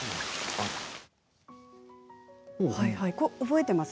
覚えています？